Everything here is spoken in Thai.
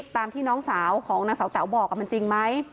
ตามที่น้องสาวของนางสาวแต๋วบอกมันจริงไหม